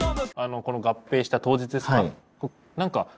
この合併した当日ですか？